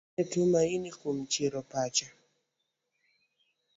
Nogoyo ero kamano ne Tumaini kuom chiero pache